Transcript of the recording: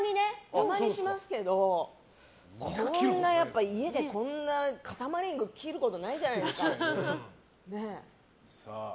たまにしますけど家でこんな塊肉切ることないじゃないですか。